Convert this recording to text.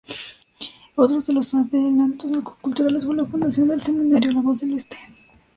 Otros de los adelantos Culturales fue la fundación del Semanario La Voz del Este.